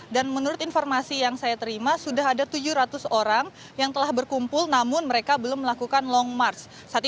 dan menurut informasi yang saya terima sudah ada tujuh ratus orang yang telah berkumpul namun mereka belum melakukan long march